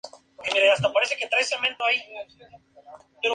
La charca, un lugar para paseos y descanso.